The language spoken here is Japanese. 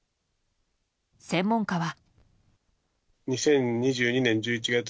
専門家は。